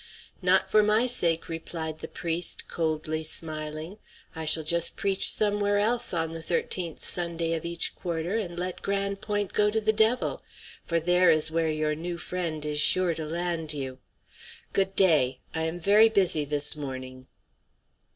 "Not for my sake," replied the priest, coldly smiling. "I shall just preach somewhere else on the thirteenth Sunday of each quarter, and let Grande Pointe go to the devil; for there is where your new friend is sure to land you. Good day, I am very busy this morning."